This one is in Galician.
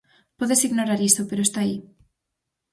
Podes ignorar iso, pero está aí.